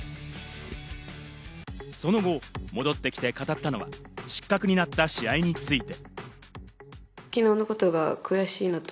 その後、戻ってきて語ったのは、失格になった試合について。